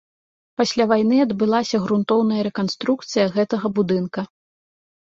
Пасля вайны адбылася грунтоўная рэканструкцыя гэтага будынка.